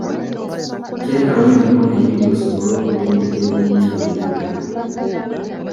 Teekawo emikono ebiri osobole okulembeka ebinyebwa ebiwera.